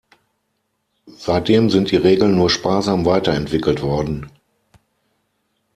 Seitdem sind die Regeln nur sparsam weiterentwickelt worden.